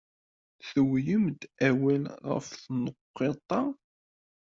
Tuwyemt-d awal ɣef tenqiḍt-a.